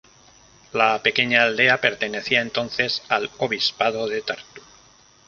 La pequeña aldea pertenecía entonces al Obispado de Tartu.